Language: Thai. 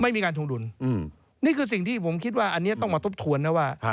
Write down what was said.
ไม่มีการทวงดุลนี่คือสิ่งที่ผมคิดว่าอันนี้ต้องมาทบทวนนะว่า